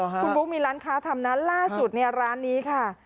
คุณบุ๊คมีร้านค้าทำนะล่าสุดเนี่ยร้านนี้ค่ะ